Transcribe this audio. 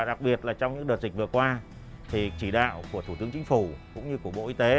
đặc biệt là trong những đợt dịch vừa qua thì chỉ đạo của thủ tướng chính phủ cũng như của bộ y tế